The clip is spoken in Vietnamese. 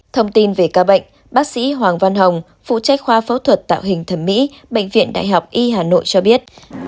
thông tin về ca bệnh bác sĩ hoàng văn hồng phụ trách khoa phẫu thuật tạo hình thẩm mỹ bệnh viện đại học y hà nội cho biết